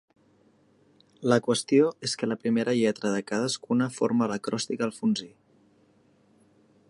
La qüestió és que la primera lletra de cadascuna forma l'acròstic alfonsí.